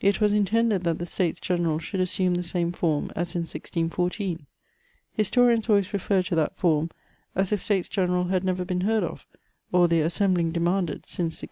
It was intended that the States General should assume the same form as in 1614. Historians always refer to that form, as if States General had never been heard of, or their assembling demanded since 1614.